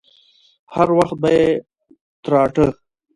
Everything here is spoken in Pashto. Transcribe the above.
هر وخت به يې تراټه.